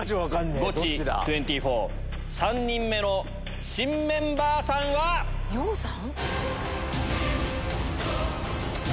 ゴチ２４３人目の新メンバーさんは⁉洋さん？